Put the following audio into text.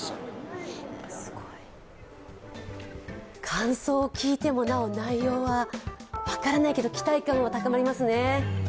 感想聞いても、なお内容は分からないけど、期待感は高まりますね。